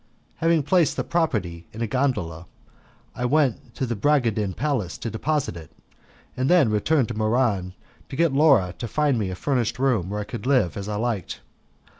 Having placed the property in a gondola, I went to the Bragadin Palace to deposit it, and then returned to Muran to get Laura to find me a furnished room where I could live as I liked.